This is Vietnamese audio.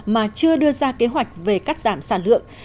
mà chưa đưa ra kế hoạch về cắt giảm sản lượng